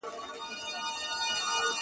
که زما منۍ د دې لولۍ په مینه زړه مه تړی!!